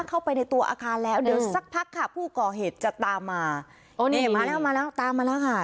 เข้าไปในตัวอาคารแล้วเดี๋ยวสักพักค่ะผู้ก่อเหตุจะตามมาโอ้นี่เห็นมาแล้วมาแล้วตามมาแล้วค่ะ